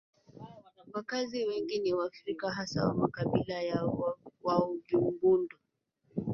Wakazi wengi ni Waafrika hasa wa makabila ya Waovimbundu